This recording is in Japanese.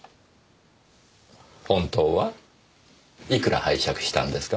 本当はいくら拝借したんですか？